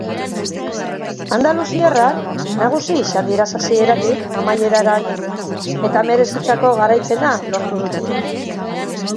Andaluziarrak nagusi izan dira hasieratik amaieraraino eta merezitako garaipena lortu dute.